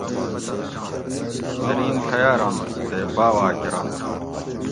درین ڷیارنت تے باواۤ کرنت